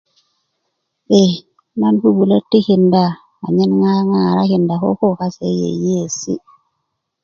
e nan bubulö tikinda anyen ŋaŋarakinda koko kase yi yeyesi